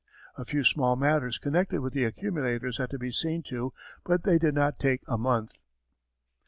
A few small matters connected with the accumulators had to be seen to, but they did not take a month.